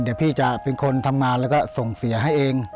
เดี๋ยวพี่จะเป็นคนทำงานแล้วก็ส่งเสียให้เอง